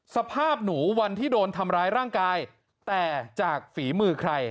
สภาพหนูวันที่โดนทำร้ายร่างกายแต่จากฝีมือใคร